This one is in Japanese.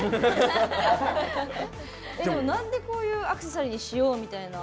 でも、なんでこういうアクセサリーに仕様みたいな。